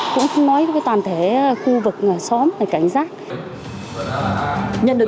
cũng nói với toàn thể khu vực xóm cảnh giác